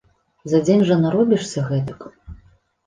За дзень жа наробішся гэтак.